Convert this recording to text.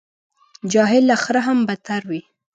جاهل له خره هم بدتر وي.